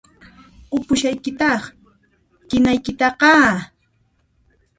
Qupushaykitáq qinaykitaqá